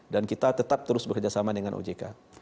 dan kita tetap terus bekerjasama dengan ojk